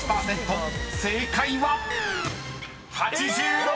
［正解は⁉］